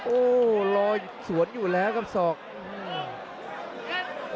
โอ้รอสวนอยู่แล้วครับสอง